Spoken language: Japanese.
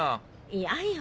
嫌よ